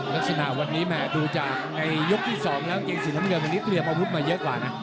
ลักษณะวันนี้แม่ดูจากในยกที่๒แล้วเกงสีน้ำเงินวันนี้เตรียมอาวุธมาเยอะกว่านะ